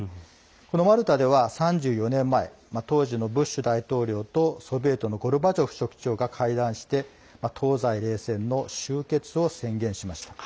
このマルタでは３４年前当時のブッシュ大統領とソビエトのゴルバチョフ書記長が会談をして、東西冷戦の終結を宣言しました。